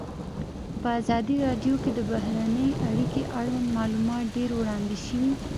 په ازادي راډیو کې د بهرنۍ اړیکې اړوند معلومات ډېر وړاندې شوي.